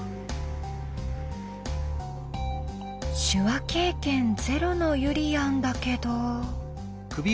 手話経験ゼロのゆりやんだけど。